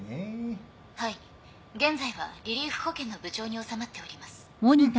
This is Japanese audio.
はい現在はリリーフ保険の部長に収まっております。